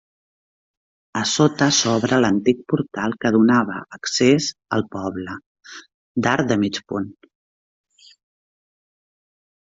A sota s'obre l'antic portal que donava accés al poble, d'arc de mig punt.